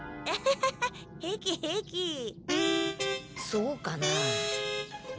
そうかな？